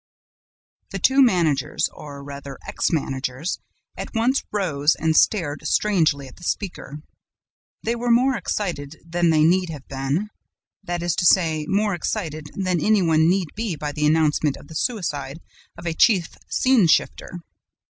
The two managers, or rather ex managers, at once rose and stared strangely at the speaker. They were more excited than they need have been, that is to say, more excited than any one need be by the announcement of the suicide of a chief scene shifter.